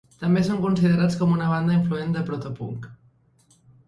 També són considerats com una banda influent de proto-punk.